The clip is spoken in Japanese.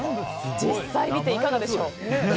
実際見て、いかがでしょうか。